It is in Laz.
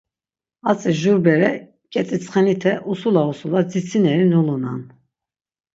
Atzi jur bere ǩet̆itsxenite usula usula, dzitsineri nulunan.